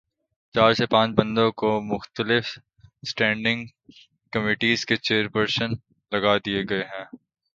چار سے پانچ بندوں کو مختلف اسٹینڈنگ کمیٹیز کے چیئر پرسن لگادیے گئے ہیں۔